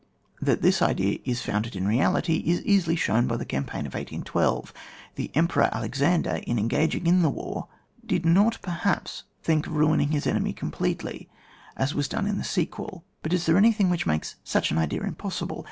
That this idea is founded in reality is easily shown by the campaign of 1 8 1 2. The Emperor Alexander in engaging in the war did not perhaps think of ruining his enemy completely, as was done in the sequel; but is there anything which makes such an idea impossible